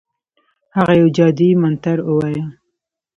هغه یو جادویي منتر ووایه.